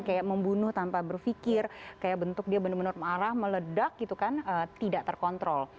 kayak membunuh tanpa berpikir kayak bentuk dia benar benar marah meledak gitu kan tidak terkontrol